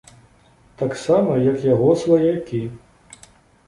Таксама як яго сваякі.